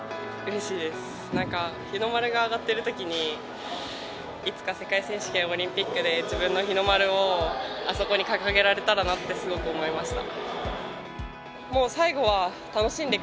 日の丸が揚がっているときにいつか世界選手権、オリンピックで自分の日の丸をあそこに掲げられたらなとすごく思いました。